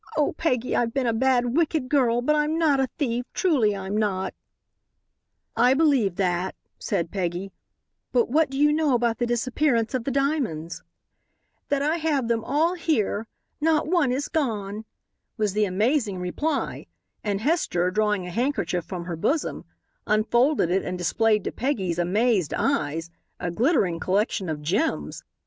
"Oh, Peggy, I've been a bad, wicked girl, but I'm not a thief. Truly I'm not." "I believe that," said Peggy, "but what do you know about the disappearance of the diamonds?" "That I have them all here. Not one is gone," was the amazing reply, and Hester, drawing a handkerchief from her bosom, unfolded it and displayed to Peggy's amazed eyes a glittering collection of gems.